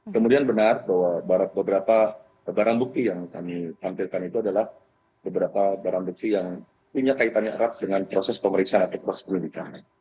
kemudian benar bahwa beberapa barang bukti yang kami tampilkan itu adalah beberapa barang bukti yang punya kaitannya erat dengan proses pemeriksaan atau proses penyelidikan